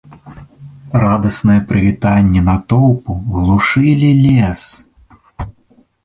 Радасныя прывітанні натоўпу глушылі лес.